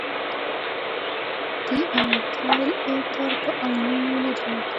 دای ایتایل ایتر په آیونونو نه جلا کیږي.